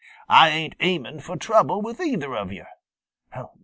Ah ain't aiming fo' trouble with either of yo'.